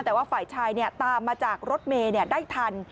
แต่ว่าฝ่ายชายตามมาจากรถเมย์ได้ทัน